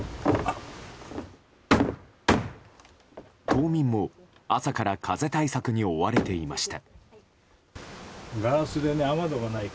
島民も朝から風対策に追われていました。